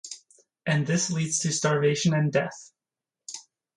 And this leads to starvation and death.